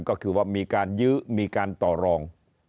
ก็คือว่ามีการยื้อมีการต่อรอง